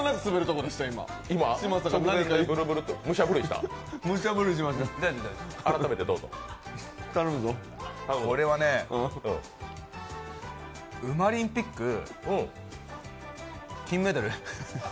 これはねうまリンピック、金メダル。